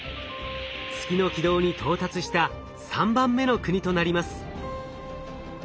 月の軌道に到達した３番目の国となります。